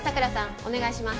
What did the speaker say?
お願いします